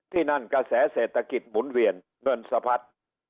ที่นั่นกระแสเศรษฐกิจหมุนเวียนเงินสะพัด